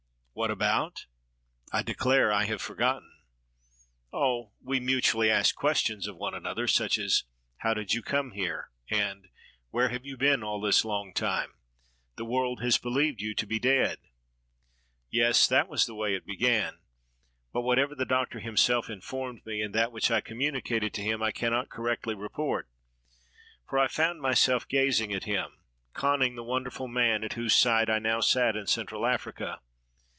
What about ? I declare I have forgotten. Oh! we mutually asked questions of one another, such as: — "How did you come here?" and "Where have you been all this long time? — the world has believed you to be dead." Yes, that was the way it began ; but whatever the Doctor himself informed me, and that which I com municated to him, I cannot correctly report, for I found myself gazing at him, conning the wonderful man at whose side I now sat in Central Africa.